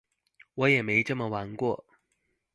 我也沒這麼玩過